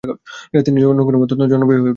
তিনি জনগণের মধ্যে অত্যন্ত জনপ্রিয় হয়ে উঠেছিলেন।